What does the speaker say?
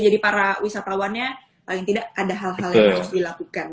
jadi para wisatawannya paling tidak ada hal hal yang harus dilakukan